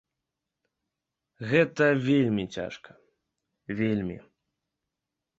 Гэта вельмі цяжка, вельмі.